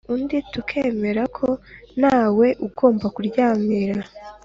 undi tukemera ko ntawe ugomba kuryamira